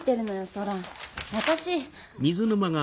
空私。